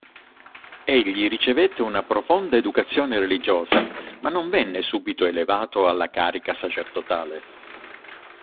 Egli ricevette una profonda educazione religiosa, ma non venne subito elevato alla carica sacerdotale.